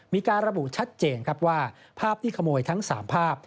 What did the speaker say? มีการระบุชัดเจนครับว่าภาพที่ขโมยทั้ง๓ภาพ